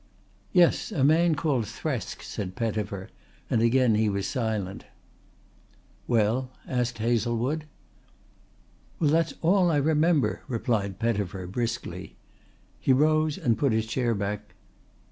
"Yes, a man called Thresk," said Pettifer, and again he was silent. "Well," asked Hazlewood. "Well that's all I remember," replied Pettifer briskly. He rose and put his chair back.